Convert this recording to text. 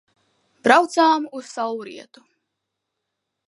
Braucām uz saulrietu.